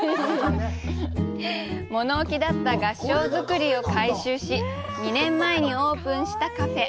物置だった合掌造りを改修し２年前にオープンしたカフェ。